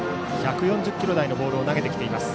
１４０キロ台のボールを投げてきています。